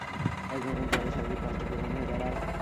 একধরনের জ্বরে শারীরিক কষ্ট প্রধান হয়ে দাঁড়ায়।